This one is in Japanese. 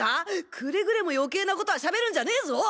くれぐれも余計なコトはしゃべるんじゃねぇぞ！